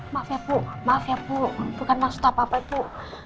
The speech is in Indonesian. maaf ya bu maaf ya bu bukan maksud apa apa ya bu